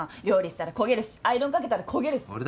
料理したら焦げるしアイロンかけたら焦げるし。